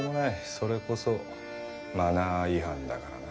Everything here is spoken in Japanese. それこそマナー違反だからな。